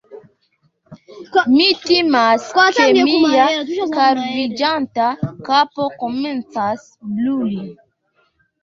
Mi timas, ke mia kalviĝanta kapo komencas bruli